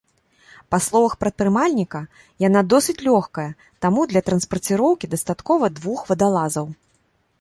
Па словах прадпрымальніка, яна досыць лёгкая, таму для транспарціроўкі дастаткова двух вадалазаў.